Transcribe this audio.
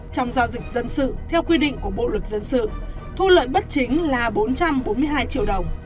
trong giao dịch dân sự theo quy định của bộ luật dân sự thu lợi bất chính là bốn trăm bốn mươi hai triệu đồng